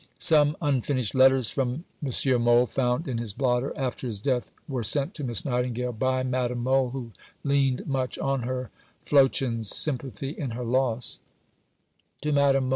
Some unfinished letters from M. Mohl, found in his blotter after his death, were sent to Miss Nightingale by Madame Mohl, who leaned much on her "Flochen's" sympathy in her loss: (_To Madame Mohl.